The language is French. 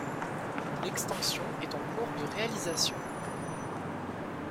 Une extension est en cours de réalisation.